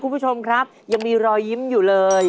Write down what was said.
คุณผู้ชมครับยังมีรอยยิ้มอยู่เลย